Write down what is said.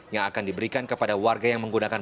yang akan diberikan kepada warga yang menggunakan